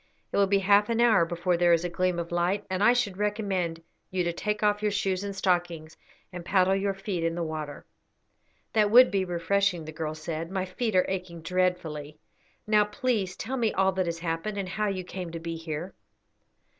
It will be half an hour before there is a gleam of light, and I should recommend you to take off your shoes and stockings and paddle your feet in the water." "That would be refreshing," the girl said. "My feet are aching dreadfully. Now please tell me all that has happened, and how you came to be here."